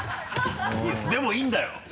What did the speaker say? でもいいんだよ！